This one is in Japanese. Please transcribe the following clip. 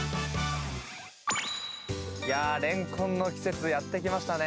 いやあ、レンコンの季節やってきましたね。